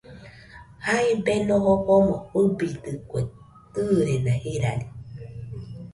Jae Beno jofomo fɨbidekue tɨrena jirari.